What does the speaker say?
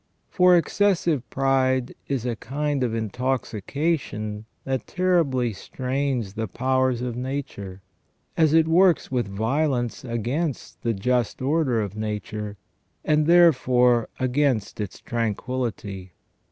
For excessive pride is a kind of intoxication that terribly strains the powers of Nature, as it works with violence against the just order of Nature, and therefore against its tran quillity.